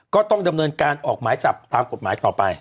ก็ต้องดำเนินการออกหมายจับตามกฎหมายต่อไป